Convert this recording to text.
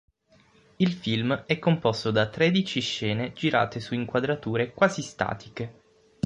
Il film è composto da tredici scene girate su inquadrature quasi statiche.